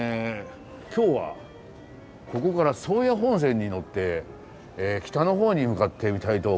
今日はここから宗谷本線に乗って北のほうに向かってみたいと思いますね。